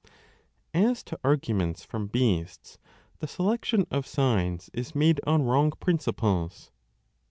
10 As to arguments from beasts, the selection of signs is made on wrong principles.